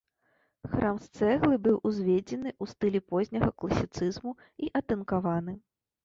Храм з цэглы быў узведзены ў стылі позняга класіцызму і атынкаваны.